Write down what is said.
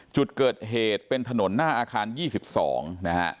จุดเกิดเหตุเป็นถนนหน้าอาคาร๒๒นะฮะ